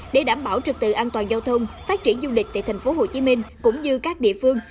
để đảm bảo trực tự an toàn giao thông phát triển du lịch tại tp hcm cũng như các địa phương